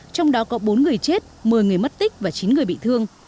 trong đó có bốn người chết một mươi người mất tích và chín người bị thương